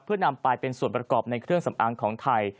เพื่อนำไปเป็นส่วนประกอบในเครื่องสำอางของไทย